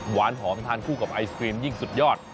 หวานหอมทานคู่กับไอศครีมยิ่งสุดยอด